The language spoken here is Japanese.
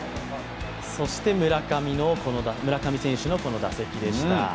そして村上選手のこの打席でした。